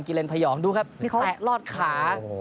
เลนพยองดูครับแตะลอดขา